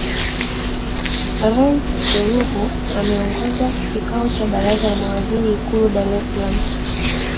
Rais Suluhu ameongoza kikao cha baraza la mawaziri ikulu Dar es Salaam